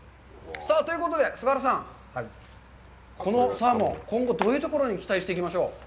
ということで、菅原さん、このサーモン、今後どういうところに期待していきましょう。